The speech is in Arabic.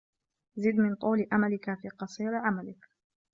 زِدْ مِنْ طُولِ أَمَلِك فِي قَصِيرِ عَمَلِك